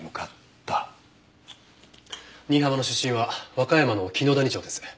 新浜の出身は和歌山の紀野谷町です。